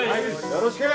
よろしく。